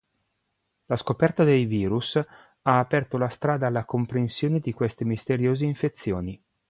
La scoperta dei virus ha aperto la strada alla comprensione di queste misteriose infezioni.